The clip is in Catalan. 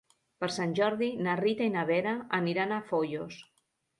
Per Sant Jordi na Rita i na Vera aniran a Foios.